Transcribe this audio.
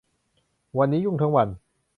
วันนี้ยุ่งทั้งวัน